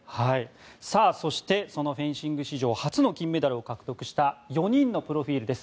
そして、そのフェンシング史上初めての金メダルを獲得した４人のプロフィルです。